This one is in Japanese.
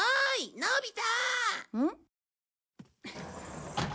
のび太！